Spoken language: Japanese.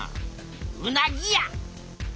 うなぎや！